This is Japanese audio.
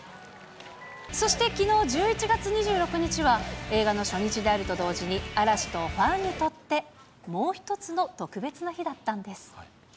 そしてきのう、１１月２６日は映画の初日であると同時に、嵐とファンにとって、もう一つの特別な日だったんです。